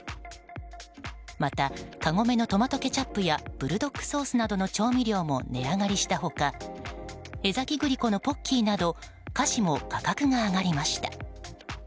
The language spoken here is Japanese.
また、カゴメのトマトケチャップやブルドックソースなどの調味料も値上がりした他江崎グリコのポッキーなど菓子も価格が上がりました。